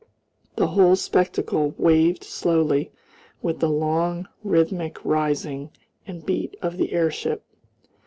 The whole spectacle waved slowly with the long rhythmic rising and beat of the airship.